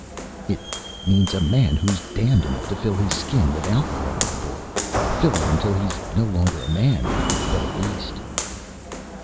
"It means a man who's damned enough to fill his Skin with alcohol, my boy, fill it until he's no longer a man but a beast."